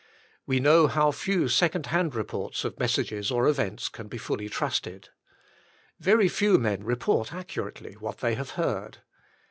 We know how few second hand reports of messages or events can be fully trusted. Very few men report accurately what they have heard.